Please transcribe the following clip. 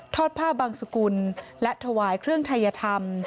ผ้าบังสุกุลและถวายเครื่องทัยธรรม